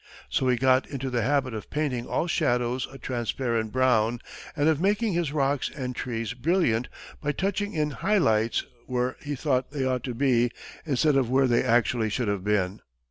So he got into the habit of painting all shadows a transparent brown, and of making his rocks and trees brilliant by touching in high lights where he thought they ought to be instead of where they actually should have been.